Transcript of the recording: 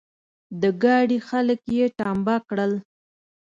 د ګاډي خلګ يې ټمبه کړل.